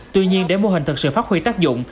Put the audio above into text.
tuy nhiên để mô hình thực sự phát huy tác dụng